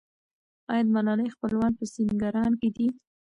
آیا د ملالۍ خپلوان په سینګران کې دي؟